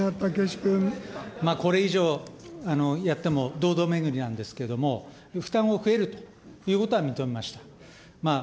これ以上やっても、堂々巡りなんですけども、負担を増えるということは認めました。